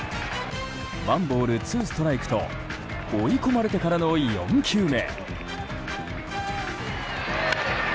ワンボールツーストライクと追い込まれてからの４球目。